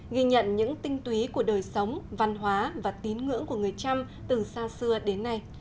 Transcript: ghi nhận những tinh túy của đời sống văn hóa và tín ngưỡng của người trăm từ xa xưa đến nay